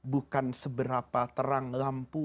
bukan seberapa terang lampu